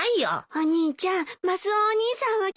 お兄ちゃんマスオお兄さんは気付くかしら。